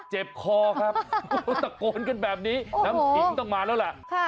เจ็บคอครับตะโกนกันแบบนี้น้ำขิงต้องมาแล้วแหละ